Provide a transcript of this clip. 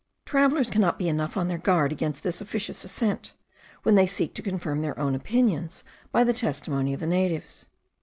Travellers cannot be enough on their guard against this officious assent, when they seek to confirm their own opinions by the testimony of the natives.